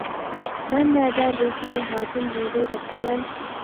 مەن نەدە بىرسىنى ھاجىم بولدى دەپتىمەن.